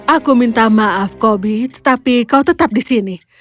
aku minta maaf kobi tetapi kau tetap di sini